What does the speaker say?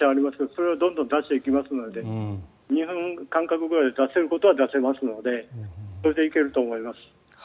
それをどんどん出していきますので２分間隔ぐらいで出せることは出せますのでそれで行けると思います。